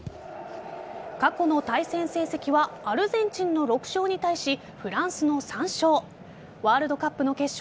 過去の対戦成績はアルゼンチンの６勝に対しフランスの３勝。